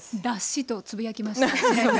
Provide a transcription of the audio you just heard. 「脱脂」とつぶやきましたね